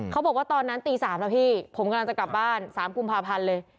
เขาบอกว่าตอนนั้นตี๓แล้วพี่ผมกำลังจะกลับบ้าน๓กุมภาพันธ์เลย